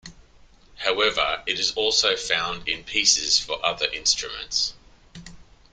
However, it is also found in pieces for other instruments.